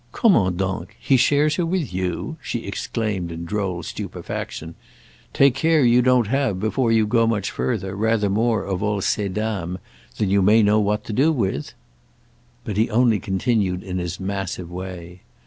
"Comment donc, he shares her with you?" she exclaimed in droll stupefaction. "Take care you don't have, before you go much further, rather more of all ces dames than you may know what to do with!" But he only continued in his massive way.